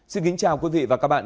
xin kính chào quý vị và các bạn